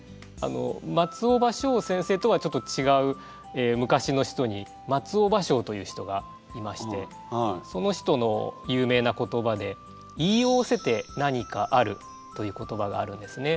松尾葉翔先生とはちょっと違う昔の人に松尾芭蕉という人がいましてその人の有名な言葉でという言葉があるんですね。